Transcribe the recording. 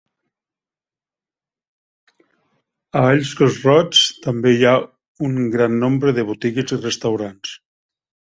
A Halls Crossroads també hi ha un gran nombre de botigues i restaurants.